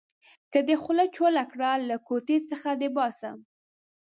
که دې خوله چوله کړه؛ له کوټې څخه دې باسم.